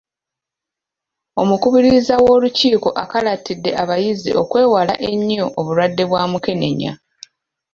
Omukubiriza w’Olukiiko akalaatidde abayizi okwewala ennyo obulwadde bwa mukenenya.